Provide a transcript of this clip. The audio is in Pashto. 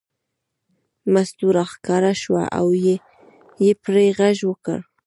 مستو راښکاره شوه او یې پرې غږ وکړ.